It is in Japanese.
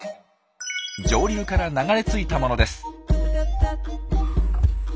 上流から流れ着いたものです。